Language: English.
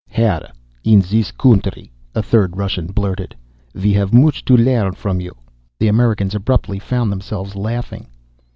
"Here in this country," a third Russian blurted. "We have much to learn from you." The Americans abruptly found themselves laughing.